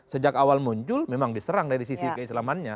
sejak awal muncul memang diserang dari sisi keislamannya